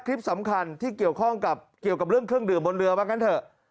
คลิปสำคัญที่เกี่ยวข้องกับเกี่ยวกับเรื่องเครื่องดื่มบนเรือว่างั้นเถอะ